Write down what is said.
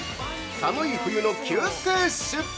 寒い冬の救世主！